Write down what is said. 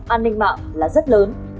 an ninh mạng là rất lớn